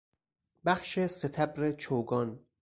بخش ستبر چوگان